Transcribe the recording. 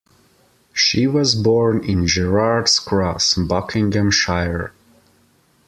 She was born in Gerrards Cross, Buckinghamshire.